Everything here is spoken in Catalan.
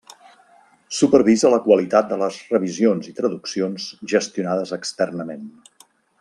Supervisa la qualitat de les revisions i traduccions gestionades externament.